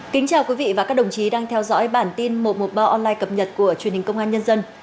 kính chào quý vị và các đồng chí đang theo dõi bản tin một trăm một mươi ba online cập nhật của truyền hình công an nhân dân